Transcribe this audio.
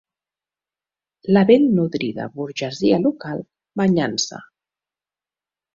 La ben nodrida burgesia local banyant-se